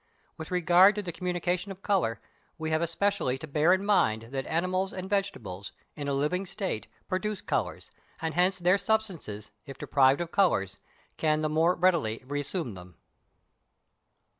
With regard to the communication of colour, we have especially to bear in mind that animals and vegetables, in a living state, produce colours, and hence their substances, if deprived of colours, can the more readily re assume them.